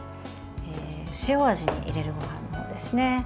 塩味に入れるごはんの方ですね